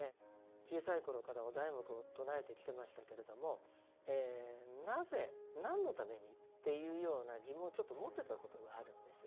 小さい頃からお題目を唱えてきてましたけれどもなぜ何のためにっていうような疑問をちょっと持ってたことがあるんです。